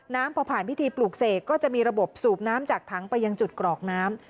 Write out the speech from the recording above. พอผ่านพิธีปลูกเสกก็จะมีระบบสูบน้ำจากถังไปยังจุดกรอกน้ำ